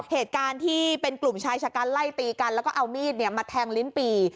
เหตุการณ์ที่เป็นกลุ่มชายชะกันไล่ตีกันแล้วก็เอามีดมาแทงลิ้นปี่